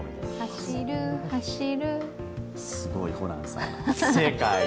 すごいホランさん、正解。